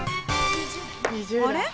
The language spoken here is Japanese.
あれ？